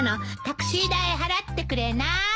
タクシー代払ってくれない？